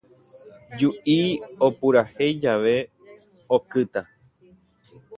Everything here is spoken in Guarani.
Ju'i opurahéi jave, okýta